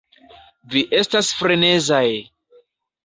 Vi estas frenezaj!